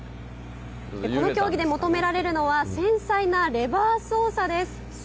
この競技で求められるのは繊細なレバー操作です。